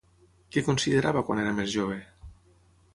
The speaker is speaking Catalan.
Què considerava quan era més jove?